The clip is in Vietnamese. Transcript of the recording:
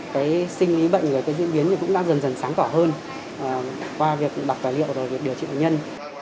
cái sinh lý bệnh và cái diễn biến cũng đã dần dần sáng tỏa hơn qua việc đọc tài liệu và điều trị bệnh nhân